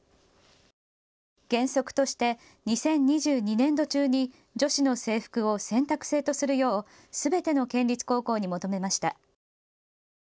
原則として２０２２年度中に女子の制服を選択制とするようすべての県立高校に求めました。